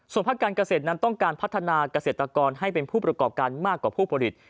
ภาคการเกษตรนั้นต้องการพัฒนาเกษตรกรให้เป็นผู้ประกอบการมากกว่าผู้ผลิต